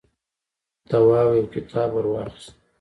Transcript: تواب يو کتاب ور واخيست.